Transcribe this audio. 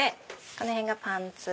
この辺がパンツ。